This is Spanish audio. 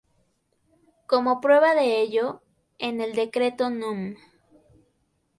Como prueba de ello, en el decreto núm.